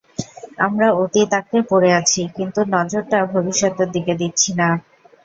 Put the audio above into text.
আমরা অতীত আঁকড়ে পড়ে আছি, কিন্তু নজরটা ভবিষ্যতের দিকে দিচ্ছি না।